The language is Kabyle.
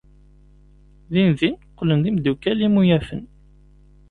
Dindin qqlen d imeddukal imuyafen.